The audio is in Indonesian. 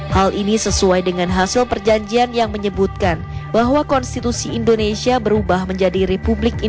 hal ini sesuai dengan hasil perjanjian yang menyebutkan bahwa konstitusi indonesia berubah menjadi republik indonesia